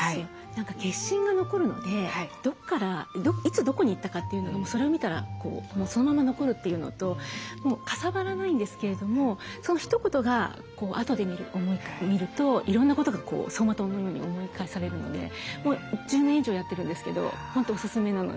何か消印が残るのでどこからいつどこに行ったかというのがそれを見たらそのまま残るというのとかさばらないんですけれどもそのひと言があとで見るといろんなことが走馬灯のように思い返されるのでもう１０年以上やってるんですけど本当おすすめなので。